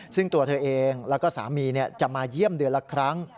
ซึ่งตัวเธอเองแล้วก็สามีจะมาเยี่ยมเดือนละครั้ง